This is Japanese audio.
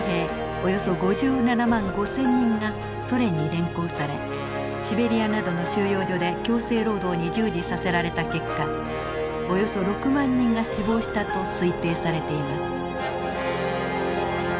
およそ５７万５，０００人がソ連に連行されシベリアなどの収容所で強制労働に従事させられた結果およそ６万人が死亡したと推定されています。